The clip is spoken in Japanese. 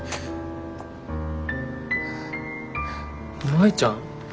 舞ちゃん。